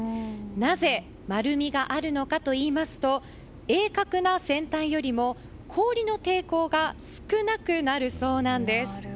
なぜ丸みがあるのかといいますと鋭角な先端よりも氷の抵抗が少なくなるそうなんです。